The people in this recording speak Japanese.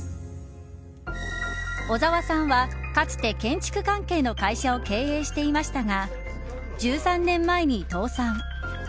小澤さんは、かつて建築関係の会社を経営していましたが１３年前に倒産。